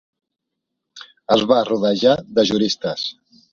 Es va rodejar de juristes.